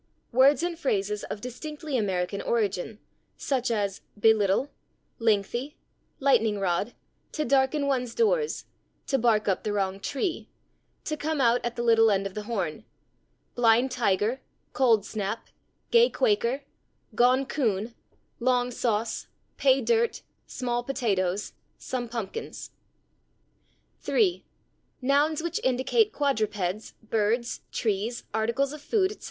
Words and phrases of distinctly American origin, such as /belittle/, /lengthy/, /lightning rod/, /to darken one's doors/, /to bark up the wrong tree/, /to come out at the little end of the horn/, /blind tiger/, /cold snap/, /gay Quaker/, /gone coon/, /long sauce/, /pay dirt/, /small potatoes/, /some pumpkins/. 3. Nouns which indicate quadrupeds, birds, trees, articles of food, etc.